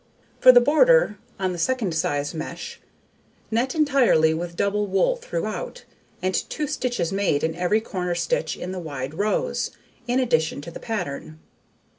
For the border, on the second sized mesh: Net entirely with double wool throughout, and 2 stitches made in every corner stitch in the wide rows, in addition to the pattern.